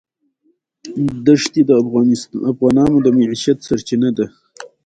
دښتې د افغانانو د معیشت سرچینه ده.